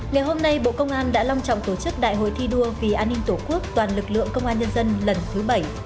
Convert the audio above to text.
ngày hôm nay bộ công an đã long trọng tổ chức đại hội thi đua vì an ninh tổ quốc toàn lực lượng công an nhân dân lần thứ bảy